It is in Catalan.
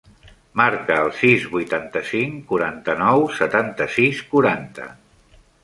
Marca el sis, vuitanta-cinc, quaranta-nou, setanta-sis, quaranta.